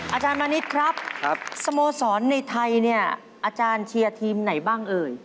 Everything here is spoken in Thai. อาจารย์มณิษฐ์ครับสโมสรในไทยเนี่ยอาจารย์เชียร์ทีมไหนบ้างเอ่ย